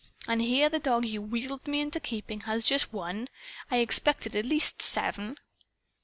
And here the dog you wheedled me into keeping has just one! I expected at least seven."